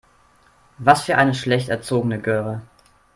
Was für eine schlecht erzogene Göre.